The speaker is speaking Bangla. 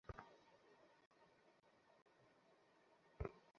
রিয়েলিটির নামকরণের জন্য নিশ্চয়ই জ্ঞানী কেউ আছে।